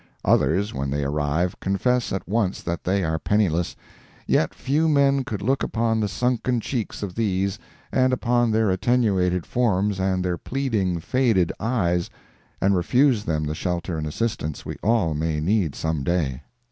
Others, when they arrive, confess at once that they are penniless, yet few men could look upon the sunken cheeks of these, and upon their attenuated forms and their pleading, faded eyes, and refuse them the shelter and assistance we all may need some day.